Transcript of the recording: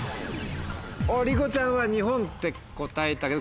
りこちゃんは日本って答えたけど。